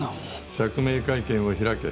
釈明会見を開け。